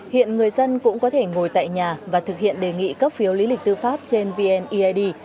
hiện người dân cũng có thể ngồi tại nhà và thực hiện đề nghị cấp phiếu lý lịch tư pháp trên vneid